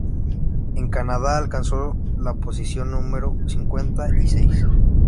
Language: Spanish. En Canadá, alcanzó la posición número cincuenta y seis.